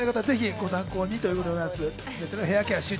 ご参考にということでございます。